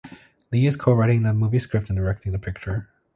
Lee is co-writing the movie script and directing the picture.